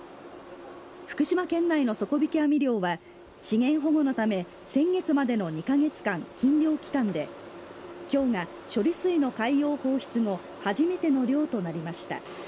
福島県内の底引き網漁は資源保護のため先月までの２か月間禁漁期間で今日が処理水の海洋放出後初めての漁となりました。